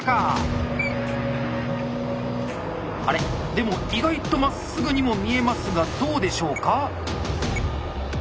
でも意外とまっすぐにも見えますがどうでしょうか？